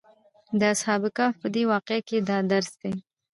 د اصحاب کهف په دې واقعه کې دا درس دی.